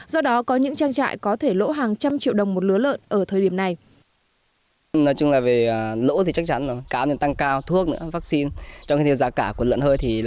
do đó có những trang trại có thể lỗ hàng trăm triệu đồng một lứa lợn